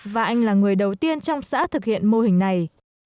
và anh là người đầu tiên trong xã thực hiện mô hình này